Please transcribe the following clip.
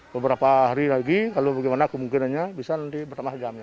beberapa hari lagi kalau bagaimana kemungkinannya bisa nanti bertambah jam ya